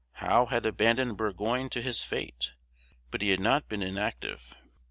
Howe had abandoned Burgoyne to his fate, but he had not been inactive.